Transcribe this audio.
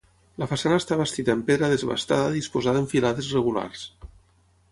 La façana està bastida en pedra desbastada disposada en filades regulars.